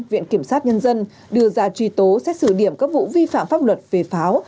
viện kiểm sát nhân dân đưa ra truy tố xét xử điểm các vụ vi phạm pháp luật về pháo